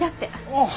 ああ。